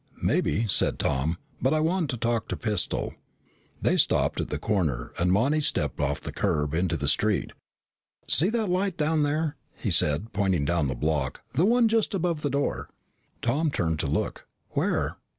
"Maybe," said Tom. "But I want to talk to Pistol." They stopped at the corner and Monty stepped off the curb into the street. "See that light down there," he said, pointing down the block, "the one just above the door?" Tom turned to look. "Where